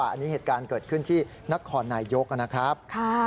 อันนี้เหตุการณ์เกิดขึ้นที่นครนายยกนะครับ